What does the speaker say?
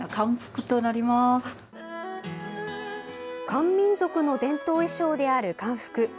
漢民族の伝統衣装である漢服。